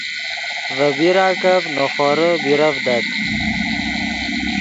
ڤے بیراکف نے خورے بیرڤدت